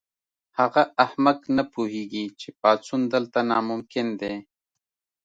هغه احمق نه پوهیږي چې پاڅون دلته ناممکن دی